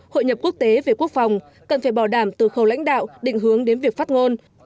hội nhập quốc tế về quốc phòng cần phải bảo đảm từ khâu lãnh đạo định hướng đến việc phát ngôn